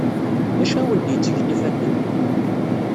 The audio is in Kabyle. D acu awen-d-yettgen ifadden?